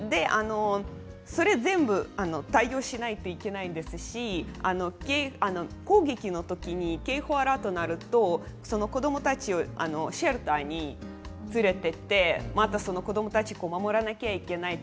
それに全部、対応しなければいけないし攻撃の時に警報アラートが鳴るとその子どもたちをシェルターに連れていって子どもたちを守らなければいけない。